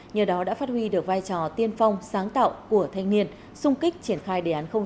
nhờ đó đã phát huy được vai trò tiên phong sáng tạo của thanh niên sung kích triển khai đề án sáu tại các địa phương